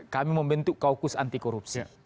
kami membentuk kaukus anti korupsi